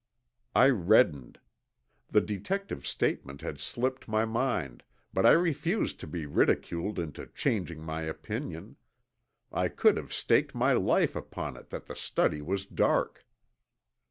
I reddened. The detective's statement had slipped my mind, but I refused to be ridiculed into changing my opinion. I could have staked my life upon it that the study was dark.